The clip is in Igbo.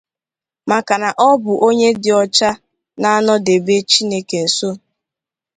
maka na ọ bụ onye dị ọcha na-anọdobe Chineke nso.